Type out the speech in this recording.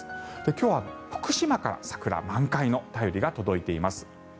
今日は福島から桜、満開の便りが届いています。